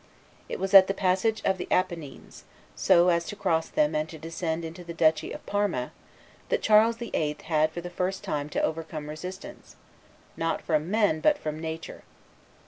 It was at the passage of the Appennines, so as to cross them and descend into the duchy of Parma, that Charles VIII. had for the first time to overcome resistance, not from men, but from nature.